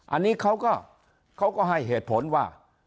อันนี้เขาก็ให้เหตุผลว่า